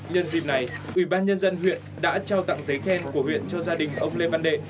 nhân dịp này ubnd huyện đã trao tặng giấy khen của huyện cho gia đình ông lê văn đệ